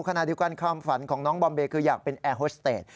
ขณะเดียวกันความฝันของน้องบอมเบย์คืออยากเป็นแอร์โฮสเตจ